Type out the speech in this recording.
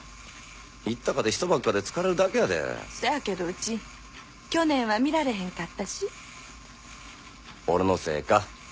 行ったかて人ばっかで疲れるだけやでせやけどうち去年は見られへんかったし俺のせいか？